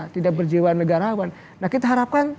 tidak berjiwa negarawan nah kita harapkan